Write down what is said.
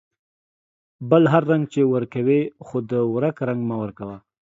بل هر رنگ چې ورکوې ، خو د ورک رنگ مه ورکوه.